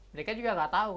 mereka juga gak tau